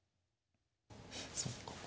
そっか。